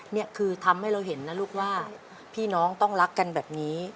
นี่คือทำให้เราเห็นนะลูกว่าพี่น้องต้องรักกันแบบนี้